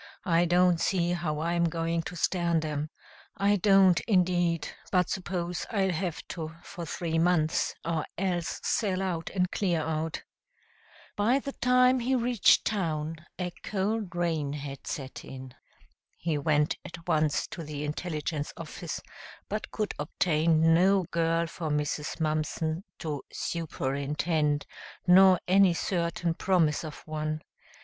I don't see how I'm going to stand 'em I don't, indeed, but suppose I'll have to for three months, or else sell out and clear out." By the time he reached town a cold rain had set in. He went at once to the intelligence office, but could obtain no girl for Mrs. Mumpson to "superintend," nor any certain promise of one.